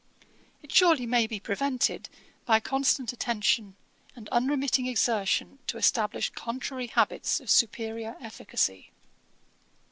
It surely may be prevented, by constant attention and unremitting exertion to establish contrary habits of superiour efficacy.